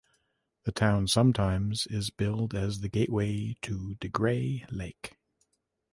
The town sometimes is billed as "The Gateway to DeGray Lake".